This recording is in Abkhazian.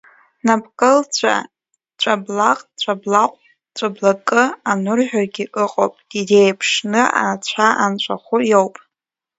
Напкылҵәа Цәаблаҟ Цәаблаҟә, Цәаблакы анырҳәогьы ыҟоуп диеиԥшны ацәа анцәахәы иоуп.